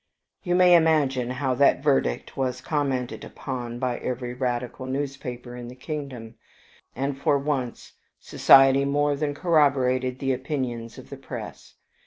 You may imagine how that verdict was commented upon by every Radical newspaper in the kingdom, and for once society more than corroborated the opinions of the press.